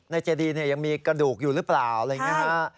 ในเจดียังมีกระดูกอยู่หรือเปล่าอะไรอย่างนี้